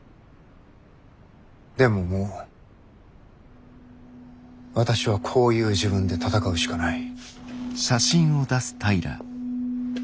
でももう私はこういう自分で戦うしかない。